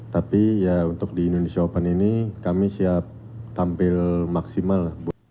tapi ya untuk di indonesia open ini kami siap tampil maksimal